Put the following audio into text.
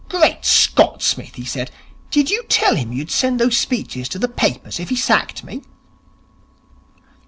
'Great Scott, Smith,' he said, 'did you tell him you'd send those speeches to the papers if he sacked me?'